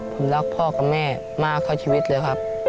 ผมรักพ่อกับแม่มากเท่าชีวิตเลยครับ